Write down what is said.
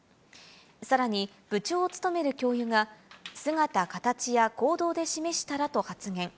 さらに部長を務める教諭が姿かたちや行動で示したらと発言。